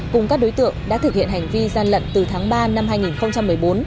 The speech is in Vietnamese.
cùng các đối tượng đã thực hiện hành vi gian lận từ tháng ba năm hai nghìn một mươi bốn